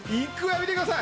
見てください。